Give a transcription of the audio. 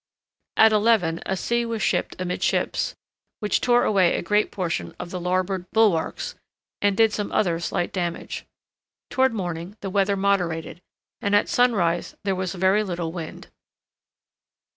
At eleven, a sea was shipped amidships, which tore away a great portion of the larboard bulwarks, and did some other slight damage. Toward morning the weather moderated, and at sunrise there was very little wind.